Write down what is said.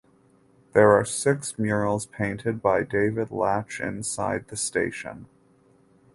There are six murals painted by David Lach inside the station.